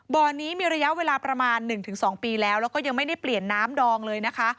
บ่อนี้มีระยะเวลาประมาณ๑๒ปีแล้วแล้วก็ยังไม่ได้เปลี่ยนน้ำดองเลยนะคะ